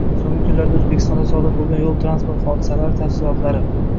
So‘nggi kunlarda O‘zbekistonda sodir bo‘lgan yo´l transport hodisasilar tafsiloti